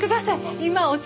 今お茶を。